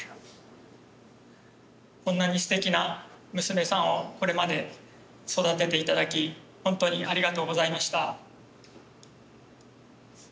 こんなにステキな娘さんをこれまで育てて頂き本当にありがとうございました。